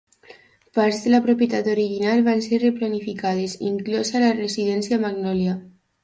Parts de la propietat original van ser replanificades, inclosa la residència Magnolia.